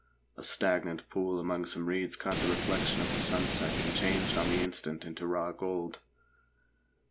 A stagnant pool among some reeds caught the reflection of the sunset and changed on the instant into raw gold.